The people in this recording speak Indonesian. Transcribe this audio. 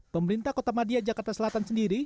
pemerintah kota madia jakarta selatan sendiri